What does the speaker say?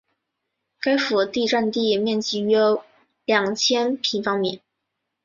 该府第占地面积约两千平方米。